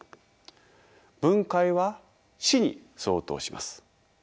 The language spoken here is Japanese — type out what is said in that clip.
「分解」は「死」に相当します。